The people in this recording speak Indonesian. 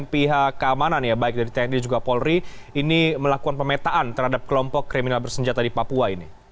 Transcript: penangganan korban menembakan kelompok bersenjata di papua